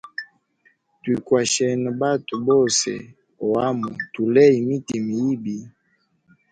Twikwashene batwe bose ohamo tuleye mitima yibi.